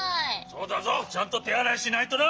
そうだぞ。ちゃんとてあらいしないとな。